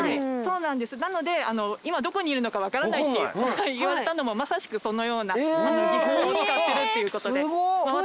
なので今どこにいるのか分からないって言われたのもまさしくそのような技法を使ってるっていうことで。